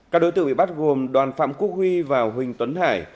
các đối tượng bị bắt gồm đoàn phạm quốc huy và huỳnh tuấn hải